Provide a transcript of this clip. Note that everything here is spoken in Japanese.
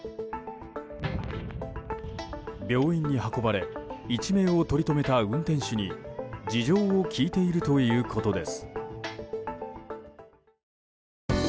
病院に運ばれ一命をとりとめた運転手に事情を聴いているということです。